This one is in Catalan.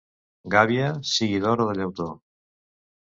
Gàbia, sigui d'or o de llautó.